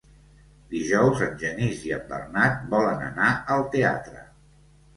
Dijous en Genís i en Bernat volen anar al teatre.